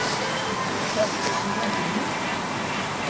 Ta d tasiwant-nnem?